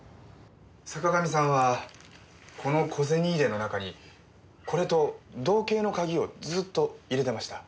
坂上さんはこの小銭入れの中にこれと同型の鍵をずっと入れてました。